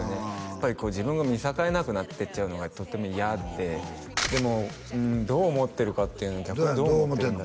やっぱり自分が見境なくなってっちゃうのがとても嫌ででもうんどう思ってるかっていうのはどう思ってんの？